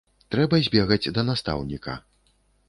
Трэба збегаць да настаўніка.